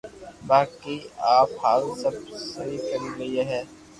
باقي َپ ھارون سب سھو ڪري لي ھي